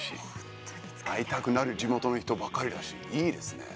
なる地元の人ばかりだしいいですね。